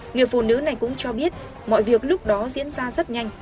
người phụ nữ này cũng cho biết mọi việc lúc đó diễn ra rất nhanh